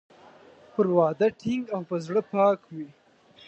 پر وعده ټینګ او په زړه پاک وي.